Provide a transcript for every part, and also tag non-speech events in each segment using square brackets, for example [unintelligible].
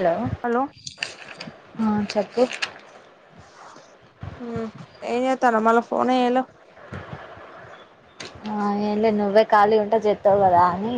Hello ఆ చెప్పు ఊ ఏం ఏతనవ్ మళ ఫోన్ ఎలెవ్ ఆ ఏం లే నువ్వే ఖాళీ ఉంటె చెత్తావు కదా అని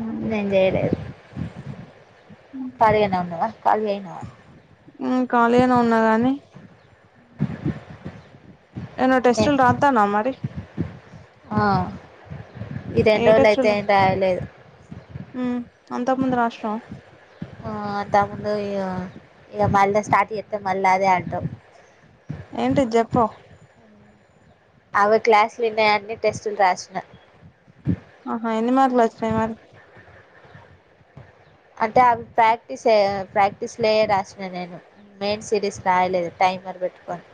ఊ నేన్ చేయలేదు కాలగనా వునవా కాలయనవా ఊ కాళీగానా ఉన్నా గానీ ఏన్నో ఏ టెస్ట్లు రాతానవ మరి ఆ ఈ ఏ రెండోలయితే ఏం రాయలేదు ఉ అంత ముందు రాసినవ ఆ అంతముందు ఇక ఇగ మళ్ళ స్టార్ట్ చేస్తవ్ ఇగ మళ్ళ అదే అంటవ్ ఏంటి చెప్పవ్ అమే క్లాస్ల విన్నయని టెస్టులు రాసిన ఆహా ఎన్ని మార్క్ లు వచ్చాయి మరి అంటే అవి ప్రాక్టీస్ ఏ ప్రాక్టీస్ లయె రాసిన నేను మెయిన్ సిరీస్ రాయలేదు టైమర్ పెట్టుకోని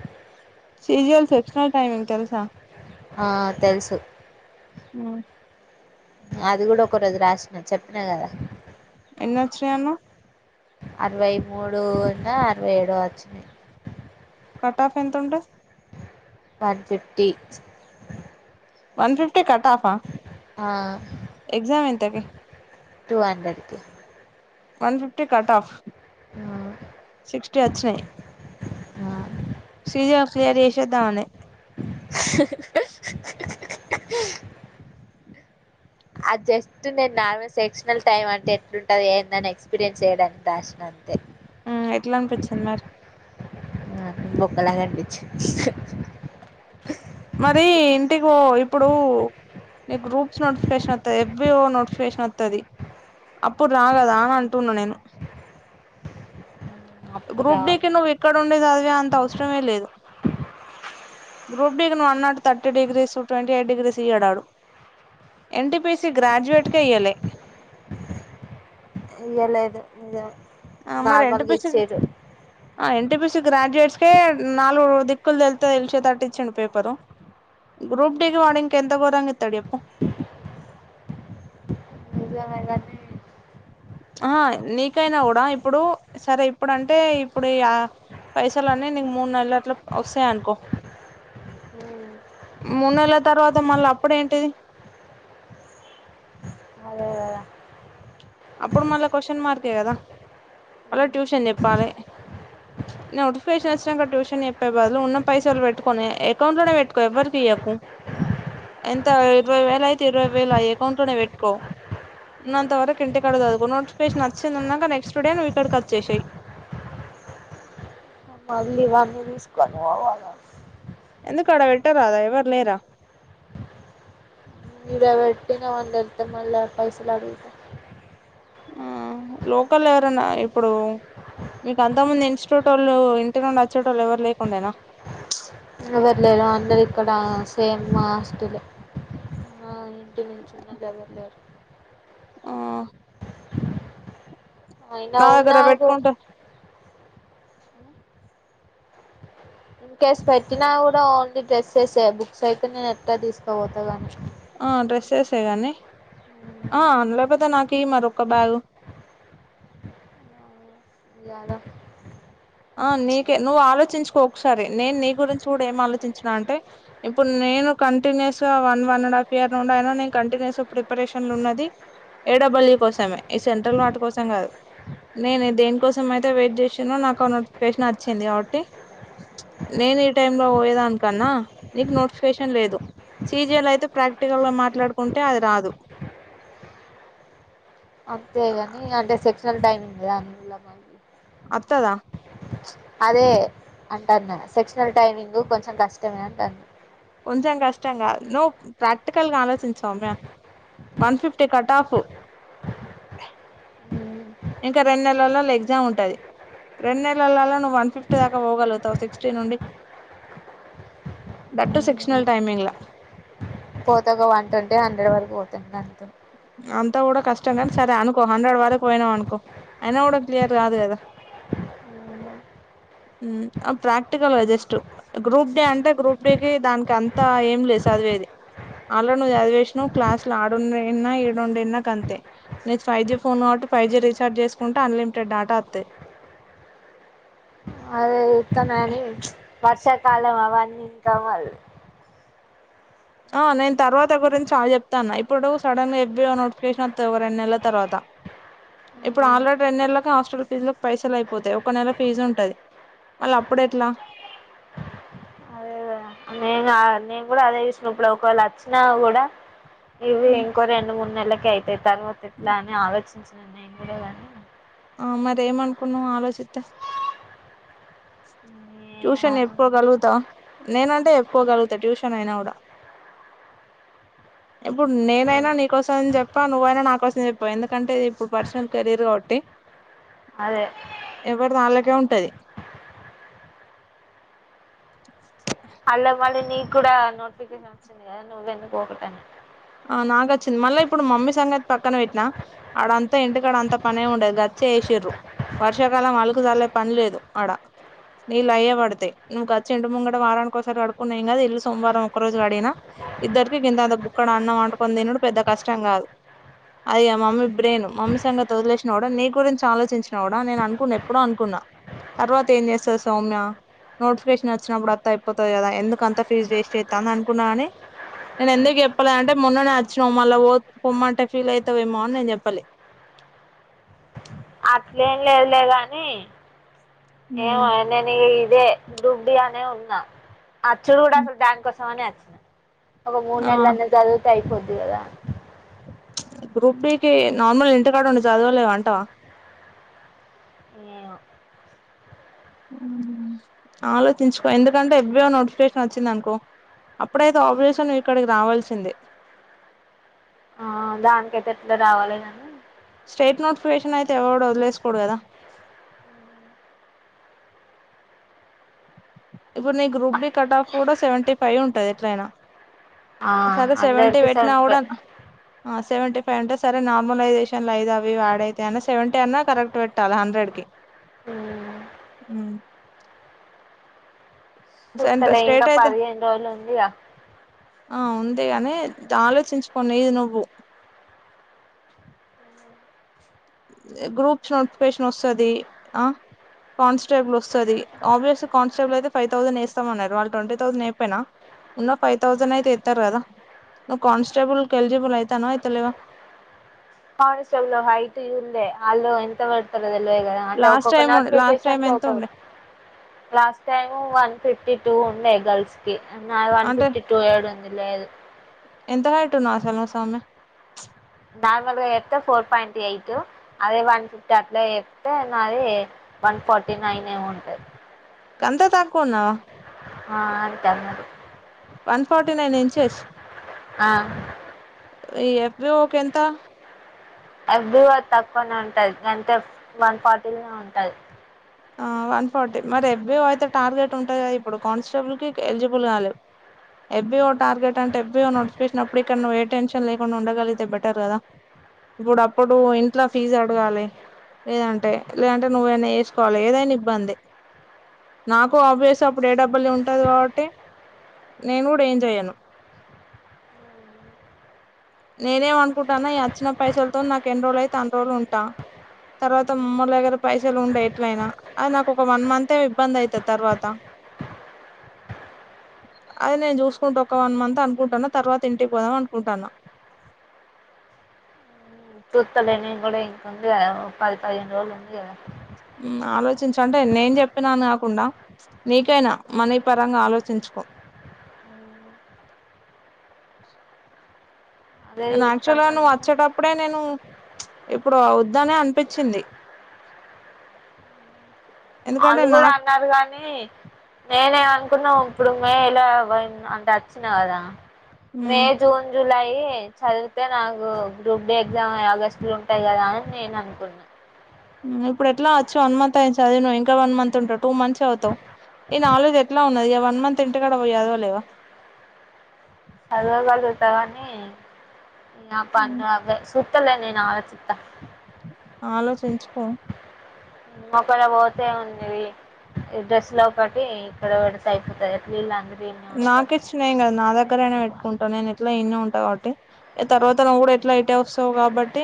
చేయాలి ఎకస్ట్రా టైమింగ్ తెల్సా ఆ తెలుసు ఉమ్ అది కూడా ఒక రోజు రాసిన చెప్పినా కదా ఎన్ని వచ్చినయి అన్నవ్ అరవై మూడు ఉన్న అరవై ఏడో వచ్చినాయి కటాఫ్ ఎంత ఉంటది one fifty one fifty cut off ఆ ఇంతకి టూ హండ్రెడ్‌కి one fifty cut off sixty వచ్చినాయి సిజర్ క్లియర్ చేసేద్దామనే స అది జస్ట్ నేను నార్మల్ సెక్షనల్ టైమ్ అంటే ఎట్లుంటది ఏందని ఎక్స్పీరియన్స్ చేయడానికి రాసిన అంతే ఉమ్మ్ ఎట్లా అనిపిచింది మరి బొక్కలాగా అనిపిచింది మరి ఇంటికిపో ఇప్పుడు నీకు గ్రూప్స్ నోటిఫికేషన్ వత్తాది ఎఫ్‌బిఓ నోటిఫికేషన్ వత్తాది అప్పుడు రారా రారా అంటున్నా నేను అప్పుడు గ్రూప్ రావాలి డికి నువ్వు ఇక్కడ ఉండి చదివే అంత అవసరమే లేదు గ్రూప్ డికి నువ్వు ఉన్నట్టు thirty degrees twenty eight degrees ఇయ్యాడాడు ఎన్టిపిసి గ్రాడుయేట్‌కే ఇయ్యాలే ఇయలేదు ఇగ ఆ మరి నార్మల్‌గా ఎన్టీపీసీ ఇచ్చిర్రు ఆ ఎన్టీపిసి గ్రాడ్యుయేట్స్‌కే నాలుగు దిక్కులు తెళ్తే తెెలిసేతట్టు ఇచ్చిండు పేపరు గ్రూప్ డికి వాడు ఇంకా ఎంత ఘోరంగా ఇత్తాడు చెప్పు నిజమే కానీ ఆహ నీకైనా కూడా ఇప్పుడు సరే ఇప్పుడంటే ఇప్పుడే య పైసలు అన్నీ నీకు మూడు నెలలుల అట్లు వస్తాయ్ అనుకో మూడు నెల్ల తర్వాత మళ్ళీ అప్పుడు ఏంటిది అదే కదా అప్పుడు మళ్ళా క్వశ్చన్ మార్కే కదా మళ్ళా ట్యూషన్ చెప్పాలి నోటిఫికేషన్ వచ్చినంక ట్యూషన్ చెప్పే బదులు ఉన్న పైసలు పె ట్టుకోని అకౌంట్లోనే పెట్టుకో ఎవ్వరికి ఇయ్యకు ఎంత ఇరవై వేలు అయితే ఇరవై వేలు ఆ అకౌంట్లోనే పెట్టుకో ఉన్నంత వరకు ఇంటికాడ చదువుకో నోటిఫికేషన్ వచ్చిందన్నకా నెక్స్ట్ డే నువ్వు ఇక్కడికి వచ్చేసేయ్ మళ్ళీ ఇవన్నీ తీసుకొని పోవాలా ఎందుకు అడ పెట్టారాదా ఎవరు లేరా ఈడ పెట్టినమని తెలిస్తే మళ్ళా పైసల్ అడుగుతా ఆ లోకల్లో ఎవరన్నా ఇప్పుడు నీకు అంతకు ముందు ఇనిస్ట్యూటోళ్ళు ఇంటి నుండి వచ్చేటోళ్ళు ఎవరు లేకుండేనా ఎవరు లేరు అందరు ఇక్కడ సేమ్ మా హాస్టలే ఆ ఇంటి నుంచి ఉన్నోళ్లు ఎవరు లేరు ఆ అయినా నా దగ్గర ఉన్నా గు పెట్టుకుంటా ఇన్కేస్ పెట్టినా కూడా ఓన్లీ డ్రెస్సెసే బుక్స్ అయితే నేను ఎట్లా తీసుకోపోతా కానీ ఆ డ్రెస్సెసే గానీ ఆ అంతలోపైతే నాకి మరి ఒక బ్యాగు యాడ ఆ నీకే నువ్వు ఆలోచించుకో ఒకసారి నేను నీ గురించి కూడా ఏం ఆలోచించిన అంటే ఇప్పుడు నేను కంటిన్యూస్‌గా one one and half year నుండి అయినా నేను కంటిన్యూస్‌గా ప్రిపరేషన్లో ఉన్నది ఏడబ్ల్యు కోసమే ఈ సెంట్రల్ వాటి కోసం కాదు నేనే దేనికోసం అయితే వెయిట్ చేసానో, నాకు ఆ నోటిఫికేషన్ వచ్చింది కాబట్టి నేను ఈ టైమ్ లో పోయేదాని కన్నా నీకు నోటిఫికేషన్ లేదు. సీజీలు అయితే ప్రాక్టికల్ మాట్లాడుకుంటే అది రాదు అంతేగాని అంటే సెక్షనల్ టైమింగ్ కదాని [unintelligible] అత్తదా? అదే అంటాన్న సెక్షనల్ టైమింగ్ కొంచెం కష్టమే అంటాన్నా. కొంచెం కష్టం గాదు. నువ్వు ప్రాక్టికల్గా ఆలోచించు వన్ ఫిఫ్టీ కట్ ఆఫ్ ఇంకా రెండు నెలల్లోఎగ్జామ్ ఉంటాది. రెండు నెలలాలో నువ్వు వన్ ఫిఫ్టీ దాకా పోగలుగుతావా సిక్స్టీ నుండి? దట్ సెక్షనల్ టైమింగ్ లో పోతా ఒక వన్ ట్వంటీ హండ్రెడ్ వరకు పోతుంది ఇగ అంతే అంతా కూడా కష్టం కానీ సరే అనుకో హండ్రెడ్ వరకు పోయినాం అనుకో అయినా కూడా క్లియర్ కాదు కదా? ఆ ప్రాక్టికల్ గా జస్ట్ గ్రూప్ డే అంటే గ్రూప్ డే కి దానికి అంతా ఏం లేదు చదివేది. ఆల్రెడీ నువ్వు చదివేసినావ్ క్లాస్ లో ఆడుండివిన్నా ఈడుండివిన్నా కంతే. నీది ఫైవ్ జీ ఫోన్ కాబట్టి ఫైవ్ జీ రీచార్జ చేసుకుంటే అన్లిమిటెడ్ వత్తాయి. అదే ఇస్తున్నాని వర్షాకాలం అవన్నీకా వాళ్ళు ఆ నేను తర్వాత గురించి చాలా చెప్తాన్న ఇప్పుడు సడన్ గా చెప్పి నోటిఫికేషన్ వస్తాది రెండు నెలల తర్వాత. ఇప్పుడు మళ్ళీ ఆల్రెడీ రెండు నెల్లకు హాస్టల్ ఫీజ్ లో పైసలు అయిపోతాయి ఒక నెల ఫీజు ఉంటది మళ్ళీ అప్పుడ ఎట్లా? అదే కదా నేను కూడా అదే విషయం ఇప్పుడు ఒకవేళ వచ్చినా కూడా. ఇవి ఇంకో రెండు మూడు నెలలకి అయితాయి. తర్వాత ఎట్లా అని ఆలోచించినా నేను కూడా కానీ ఆ మరేమనుకున్నావ్ ఆలోచిస్తే. ట్యూషన్ చెప్పుకోగలుగుతా నేనంటే చెప్పుకోగలుగుతా ట్యూషన్ అయినా కూడా ఇప్పుడు నేనైనా నీకోసం చెప్పా, నువ్వైనా నా కోసం చెప్పా ఎందుకంటే ఇప్పుడు పర్సనల్ కెరీర్ కాబట్టి అదే ఎవరిది వాళ్ళకే ఉంటది. [unintelligible] అళ్లా మళ్ళీ నీకు కూడా నోటిఫికేషన్ వచ్చింది కదా నువ్వు ఎందుకు ఓపెన్గా ఆ నాగొచ్చింది మళ్ళీ ఇప్పుడు మమ్మీ సంగతి పక్కన పెట్టినా, అడంతా ఇంటికాడ అంత పనే ఉండేది. గచ్చు ఏసిర్రు. వర్షాకాలం వాళ్ళకు వాళ్ళకు పని లేదు ఆడ. నీళ్ళ అయ్యే పడ్తాయి. నువ్వు వచ్చి ఇంటి ముంగంట వారానికి ఒకసారిడుకడుక్కున్నా కదా ఇల్లుు సోమారం ఒకరోజు కడిగినా ఇద్దరికి ఇంతంత బుక్కడ అన్నం అంటుకొని తినుడు పెద్ద కష్టం కాదు అయ్యో మమ్మీ బ్రెయిన్ మమ్మీ సంగం వదిలేసినా కూడా, నీ గురించి ఆలోచించినా కూడా నేను అనుకున్నా ఎప్పుడో అనుకున్నా. తర్వాత ఏం చేస్తాది సౌమ్య? నోటిఫికేషన్ వచ్చినప్పుడు అంత అయిపోతుంది కదా ఎందు అంత ఫీజ వేస్ట్ అవుతుందిని అనుకున్నా కాని నేను ఎందుకు చెప్పాల అంటే మొన్న నే వచ్చినా మళ్ళా పొమ్మంటే ఫీల్ అవుతావేమో అని నేను చెప్పాలి అట్లేం లేదుగాని ఏమ నేను ఇదే గ్రూప్ డి అనే ఉన్నా. అచ్చుడు కూడా అసలు దానికోసం అని వచ్చిన ఒగ ఆ మూడునెల్లన్నా చదివితే అయిపొద్ది కదా. గ్రూప్ డికి నార్మల్ గా ఇంటికాడ ఉండి చదువలేం అంటావా? మ్ అ మ్ ఆలోచించుకో ఎందుకంటే యస్ బి ఐ నోటిఫికేషన్ వచ్చింది అనుకో అప్పుడైతే ఆపరేషన్ ఇక్కడికి రావాల్సిందే ఆ దానికైతే ఎట్లా రావాలిదండి స్టేట్ నోటిఫికేషన్ అయితే ఎవరు వదిలేకోడు కదా ఇప్పుడు నీ గ్రూప్ బి కట్ ఆఫ్ కూడా సెవెంటీ ఫైవ్ ఉంటది ఎట్లయినా ఆ సరే సెవెంటీ అందరికి పెట్టినా కూడా ఫైవ్ సెవెంటీ ఫైవ్ అంటే నార్మలైజేషన్ అయిదావి ఆడ అయితే అన్న సెవెంటీ అనా కరెక్ట్ పెట్ టాల హండ్రెడ్ కి ఉ ఉ చుట్టలే ఇంకా స్ట్రేట్ అయితే పదిహేను రోజులు ఉందిగా ఆ ఉంది గాని ఆలోచించుకొని ఇది నువ్వు గ్రూప్స్ నోటిఫికేషన్ వస్తది ఆ కానిస్టేబుల్ వస్తది ఆబ్వియస్లి కానిస్టేబులయితే ఫైవ్ థౌసండ్ వేస్తామన్నారు వాళ్ళు ట్వంటీథౌసండ్ అయిపోయినా ఉన్న ఫైవ్ థౌసండ్ అయితే ఎత్తారు కదా నువ్ కానిస్టేబుల్ కి ఎలిజిబల్ అయితానో అయితలేవ కానిస్టేబుల్లో హైట్ చుల్లే అల్లు ఎంత పడతాదో తెలువదు కదా అంటే లాస్ట్ ఒక్కొక్క టైం లాస్ట్ టైం నోటిఫికేషన్కి ఎంత ఒకొక ఉండే last time one fifty two ఉండే గర్ల్స్ కి వన్ అంటే ఫిఫ్టీ టు ఏడుంది లేదు ఎంత హైట్ ఉన్నావ్ అసలు నువ్ సామి నార్మల్ గా చెప్తే ఫోర్ పాయింట్ ఎయిట్ అదే వన్ ఫిఫ్టీ అట్లా చెప్తే నాది వన్ ఫార్టీ నైన్ ఏమో ఉంటాది గంత తక్కువనా ఆ అంట వన్ ఫార్టీ నైన్ ఇంచేస్ ఆ ఎబ్రూవ్ కెంత ఎబ్రూవ్ తక్కువనే ఉంటది అంటే వన్ ఫార్టీనే ఉంటది ఆ వన్ ఫార్టీ మరి ఎబ్రూవ్ అయితే టార్గెట్ ఉంటాయి కదా ఇప్పుడు కానిస్టేబుల్ కి ఎలిజిబుల్ కాలేవ్ ఎబ్బివో టార్గెట్ అంటే ఎబ్బివో నోటిఫికేటినప్పుడు ఇక్కడ నువ్వు ఏ టెన్షన్ లేకుండా ఉండగలిగితే బెటర్ కదా ఇప్పుడు అప్పుడు ఇంట్లో ఫీజు అడగాలి లేదంటే లేదంటే నువ్వేన్ని వ లేదని ఇబ్బంది నాకు ఆబ్వియస్గా అప్పుడు ఏ డబ్ల్యూ ఉంటది కాబట్టి నేను కూడా ఏం చెయను నేనేమనుకుంటాన్న ఈ వచ్చిన పైసలతో నాకు ఎన్ రోజు అయితే అన్ రోజలు ఉంటాను తర్వాత మమ్మ దగ్గర పైసలు ఉంటయి ఎట్లయినా అది నాకు ఒక వన్ మంత్యే ఇబ్బంది అయితది తర్వాత అదే నేను చూసుకుంటూ ఒక వన్ మంత్ అనుకుంటాను తర్వాత ఇంటికి పోదాం అనుకుంటాన్న కుత్తలేని కూడా ఇంకంది పది పదిహేను రోజులు ఉంది కదా ఆలోచించ అంటే నేను చెప్పినాను కాకుండా నీకైనా మనీ పరంగా ఆలోచించుకో అదే నేను యాక్చువల్ గా చూస్తాను నువ్వు వచ్చేటప్పుడే నేను ఇప్పుడు వద్దనే అనిపించింది ఎందుకంటే వాళ్ళు కూడా నాకు అన్నారు కానీ నేనేమనుకున్నా ఇప్పుడు మే ఇలా అంటే వచ్చినా కదా ఉమ్ మే జూన్ జులై చదివితే నాకు గ్రూప్ డీ ఎగ్జామ్ ఆగస్టు లో ఉంటాయి కదా అని నేను అనుకున్నాను ఇప్పుడు ఎట్లా వచ్చు వన్ మంత్ అయితాది చదివు నువ్వు ఇంకా వన్ మంత్ ఉంటావు టూ మంత్స్ అవుతావు ఈ నాలేజ్ ఎట్లా ఉన్నది ఇగ వన్ మంత్ ఇంటికాడ పోయి ఏడ్వలేవా [inaudible] అంతలో నేనలోచిత్త ఆలోచించుకో మా పనికుతే ఉన్నది డ్రెస్ లో ఒకటి ఇక్కడ పెడితే అయిపోతది వీళ్ళందరూ ఇడ్నే ఉంటారు నేను కదా నా దగ్గరనే పెట్టుకుంటా నేను ఎట్లా ఇడ్నే ఉంటా కాబట్టి ఏ తర్వాత నువ్వు కూడా ఎట్లా ఇటే వస్తావు కాబట్టి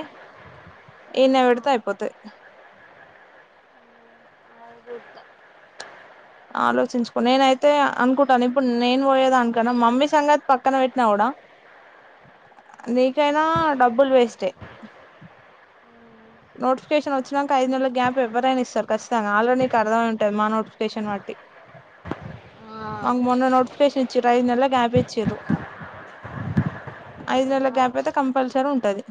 ఇడ్నే పెడితే అయిపోతది [inaudible] ఆలోచించుకో నేనైతే అనుకుంటాను ఇప్పుడు నేను పోయేదానికన్నా మమ్మీ సంగతి పక్కన పెట్టినా కూడా నీకైనా డబ్బులు వేస్టే నోటిఫికేషన్ వచ్చినాక ఐదు నెల గ్యాప్ ఎవరైన ఇస్తారు కచ్చితంగా ఆల్రెడీ నీకు అర్థమై ఉంటది మా నోటిఫికేషన్ వట్టి ఆ మనకి మొన్న నోటిఫికేషన్ ఇచ్చిరూ ఐదు నెల్ల గ్యాప్ ఇచ్చిరూ ఐదు నెల్ల గ్యాప్ అయితే కంపల్సరీ ఉంటది.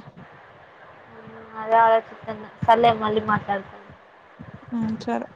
సర్లే మళ్ళీ మాట్లాడుకు ఊ చరే